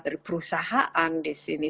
dari perusahaan di sini